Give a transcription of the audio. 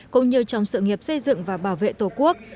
cũng như trong sự nghiệp xây dựng và bảo vệ tổ quốc